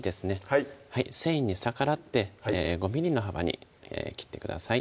はい繊維に逆らって５ｍｍの幅に切ってください